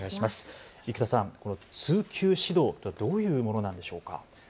生田さん、通級指導、一体どういうものなんでしょうか。